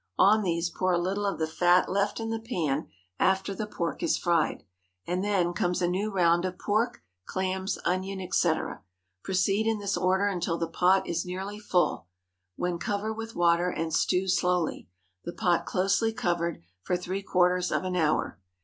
On these pour a little of the fat left in the pan after the pork is fried, and then comes a new round of pork, clams, onion, etc. Proceed in this order until the pot is nearly full, when cover with water, and stew slowly—the pot closely covered—for three quarters of an hour.